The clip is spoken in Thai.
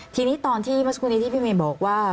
ทีนี้ตอนที่เมื่อสักครู่นี้ที่พี่เมย์บอกว่า